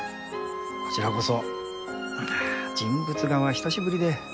こちらこそあ人物画は久しぶりで。